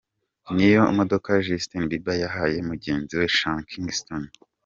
Ngiyo imodoka Justin Bieber yahaye mugenzi we Sean Kingston.